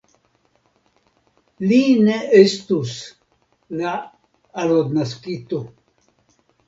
Li ne estus la alodnaskito!